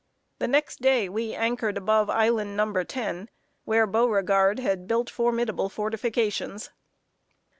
The next day we anchored above Island Number Ten, where Beauregard had built formidable fortifications.